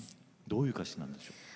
どういう歌詞なんですか？